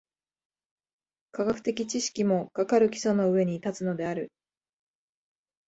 科学的知識も、かかる基礎の上に立つのである。